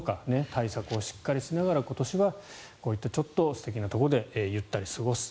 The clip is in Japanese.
対策をしっかりしながら今年はこういったちょっと素敵なところでゆったり過ごす。